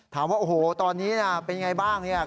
ถามว่าโอ้โฮตอนนี้เป็นอย่างไรบ้าง